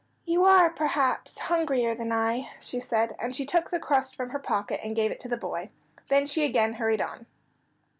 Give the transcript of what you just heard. "You are, perhaps, hungrier than I," she said, and she took the crust from her pocket and gave it to the boy. Then she again hurried on.